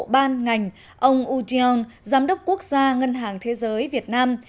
ban ngành ông u jion giám đốc quốc gia ngân hàng thế giới việt nam